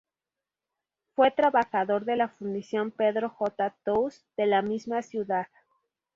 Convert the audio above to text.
Fue trabajador de la Fundición "Pedro J. Tous" de la misma ciudad.